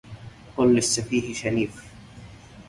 قل للسفيه شنيف